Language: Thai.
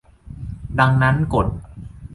ดังนั้นกฎ